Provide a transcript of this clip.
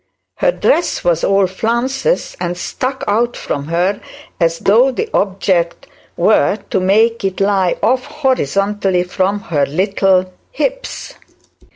Her dress was all flounces, and stuck out from her as though the object were to make it lie off horizontally from her little hips.